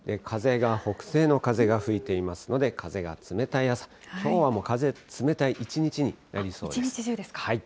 風が、北西の風が吹いていますので、風が冷たい朝、きょうはもう風、冷たい一日になりそうです。